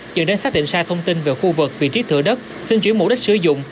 chờ đến xác định sai thông tin về khu vực vị trí thửa đất xin chuyển mục đích sử dụng